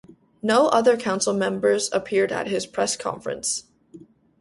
No other council members appeared at his press conference.